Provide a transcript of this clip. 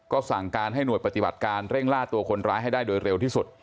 ก็สั่งการให้หน่วยปฏิบัติการเร่งล่าตัวคนร้ายให้ได้โดยเร็วที่สุด